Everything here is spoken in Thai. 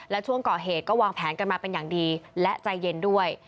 และช่วงก่อเหตุก็วางแผนกันมาเป็นอย่างดีและใจเย็นด้วย